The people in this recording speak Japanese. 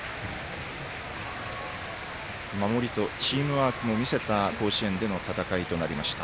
守りとチームワークを見せた甲子園での戦いとなりました。